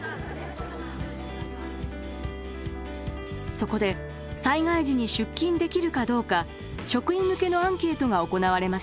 そこで災害時に出勤できるかどうか職員向けのアンケートが行われました。